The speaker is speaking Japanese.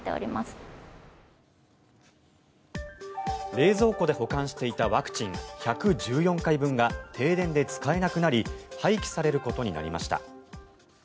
冷蔵庫で保管していたワクチン１１４回分が停電で使えなくなり廃棄されることになりました。